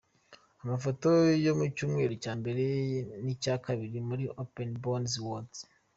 Amafoto yo mu cyumweru cya mbere n'icya kabiri muri Open Bond’s World.